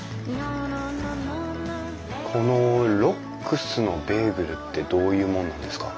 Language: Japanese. このロックスのベーグルってどういうものなんですか？